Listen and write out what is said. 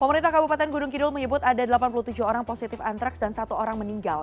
pemerintah kabupaten gunung kidul menyebut ada delapan puluh tujuh orang positif antraks dan satu orang meninggal